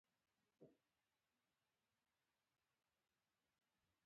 د سرکونو څلور لارې د هندسي ډیزاین مهمه برخه ده